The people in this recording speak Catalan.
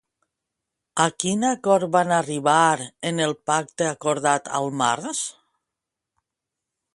A quin acord van arribar en el pacte acordat al març?